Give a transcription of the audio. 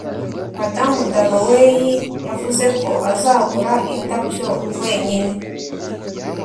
madamu dalloway yavuze ko azagura indabyo wenyine